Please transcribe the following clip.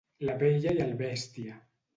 La bella i el bèstia.